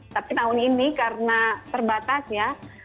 tapi tahun ini karena terbatas ya